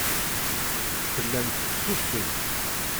Tellamt tettusumt.